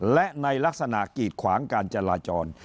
และในลักษณะกีดขวางการจราจร